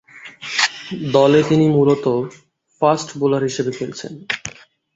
দলে তিনি মূলতঃ ফাস্ট বোলার হিসেবে খেলছেন।